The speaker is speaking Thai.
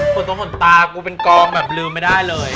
คนต้องห่วงตากูเป็นกองแบบลืมไม่ได้เลย